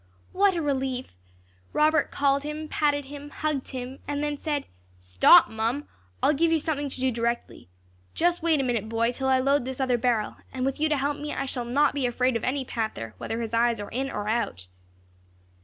What a relief! Robert called him, patted him, hugged him, and then said, "Stop, Mum! I'll give you something to do directly. Just wait a minute, boy, till I load this other barrel; and with you to help me, I shall not be afraid of any panther, whether his eyes are in or out."